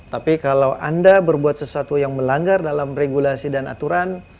tapi kalau anda berbuat sesuatu yang melanggar dalam regulasi dan aturan